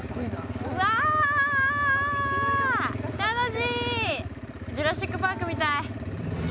ジュラシック・パークみたい。